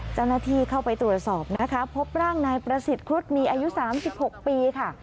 เจ้าหน้าที่เข้าไปตรวจสอบนะคะพบร่างนายประสิทธิ์ครุฑมีอายุ๓๖ปีค่ะ